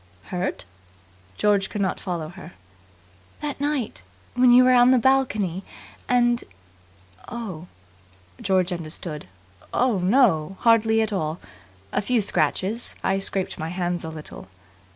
"Hurt?" George could not follow her. "That night. When you were on the balcony, and " "Oh!" George understood. "Oh, no, hardly at all. A few scratches. I scraped my hands a little."